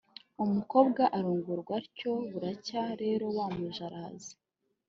umukobwa arongorwa atyo buracya rero wa muja araza